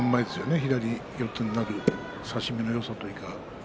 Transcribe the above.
左四つになる差し身のよさというか。